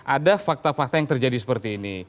ada fakta fakta yang terjadi seperti ini